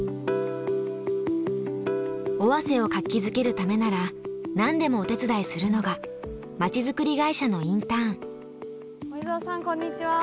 尾鷲を活気づけるためなら何でもお手伝いするのがまちづくり会社のインターン。